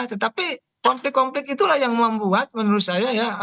tetapi konflik konflik itulah yang membuat menurut saya ya